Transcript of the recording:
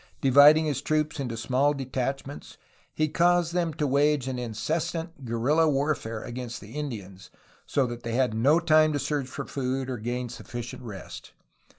Dividing his troops into small detachments he caused them to wage an incessant guerrilla warfare against the Indians, so that they had no time to search for food or gain sufficient rest.